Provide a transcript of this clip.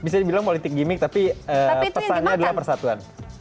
bisa dibilang politik gimmick tapi pesannya adalah persatuan